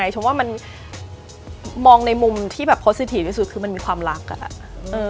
ชมพูดว่าคุณแม่